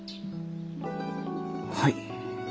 はい？